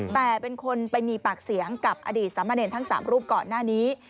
แต่เป็นคนไปมีปากเสียงกับอดีตสามเณรทั้ง๓รูปก่อนหน้านี้